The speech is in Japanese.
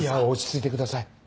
落ち着いてください。